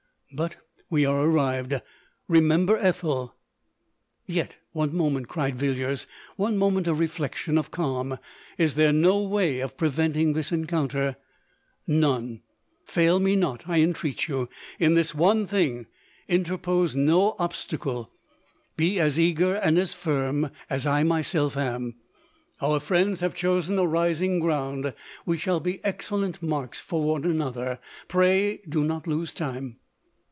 But we are arrived. Remember Ethel " "Yet one moment," cried Villiers ;— "one moment of reflection, of calm ! Is there no way of preventing this encounter ?"" None !— fail me not, I intreat you, in this one thing; — interpose no obstacle— be as eager and as firm as I myself am. Our friends have x 2 268 LODORE. chosen a rising ground : we shall be excellent marks for one another. Pray do not lose time."